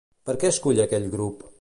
Per què escull aquell grup?